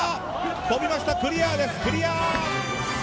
飛びました、クリアです。